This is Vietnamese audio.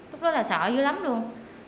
lúc đó là sợ dữ lắm luôn